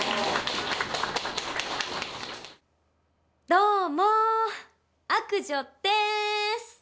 どうも悪女です